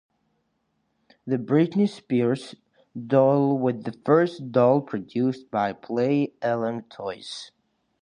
The Britney Spears doll was the first doll produced by Play Along Toys.